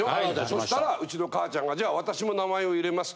そしたらうちの母ちゃんが「じゃあ私も名前を入れます。